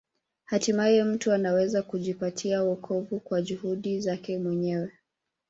Hatimaye mtu anaweza kujipatia wokovu kwa juhudi zake mwenyewe.